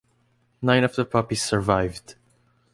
Nine of the puppies survived.